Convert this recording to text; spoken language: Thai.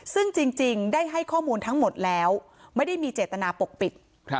ซึ่งจริงได้ให้ข้อมูลทั้งหมดแล้วไม่ได้มีเจตนาปกปิด